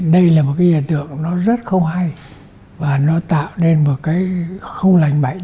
đây là một cái hiện tượng nó rất không hay và nó tạo nên một cái không lành mạnh